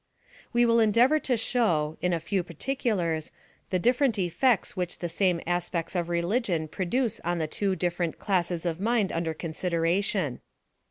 We will endeavor to show, in a few particulars, the different effects which the same aspects of revelation pro duce on the two different classes of mind under consid eration.